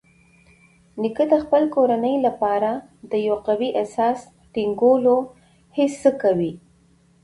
نیکه د خپل کورنۍ لپاره د یو قوي اساس ټینګولو هڅه کوي.